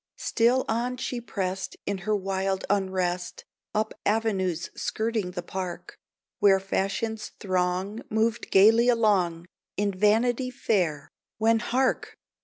Still on she pressed in her wild unrest Up avenues skirting the park, Where fashion's throng moved gayly along In Vanity Fair when hark!